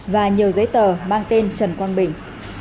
và nhiều giấy tờ mang tên trần quang bình